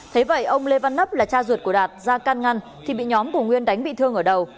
thế vậy ông lê văn nắp là cha ruột của đạt ra can ngăn thì bị nhóm của nguyên đánh bị thương ở đầu